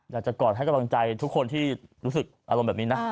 อยากจะกอดให้กำลังใจทุกคนที่รู้สึกอารมณ์แบบนี้นะ